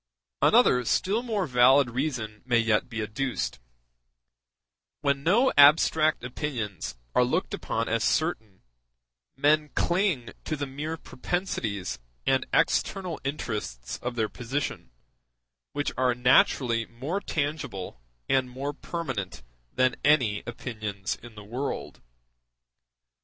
Another still more valid reason may yet be adduced: when no abstract opinions are looked upon as certain, men cling to the mere propensities and external interests of their position, which are naturally more tangible and more permanent than any opinions in the world.